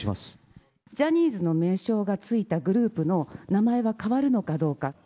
ジャニーズの名称がついたグループの名前は変わるのかどうか。